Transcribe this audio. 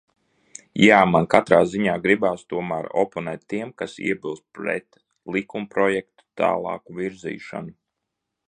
Jā, man katrā ziņā gribas tomēr oponēt tiem, kas iebilst pret likumprojekta tālāku virzīšanu.